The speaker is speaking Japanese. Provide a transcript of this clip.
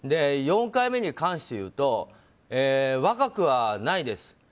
４回目に関して言うと若くはないです。